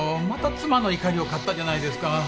また妻の怒りを買ったじゃないですか。